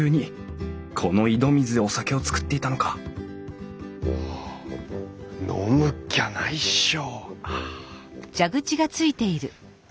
この井戸水でお酒を造っていたのか飲むっきゃないっしょ！